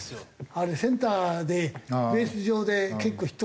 あれセンターでベース上で結構ヒット。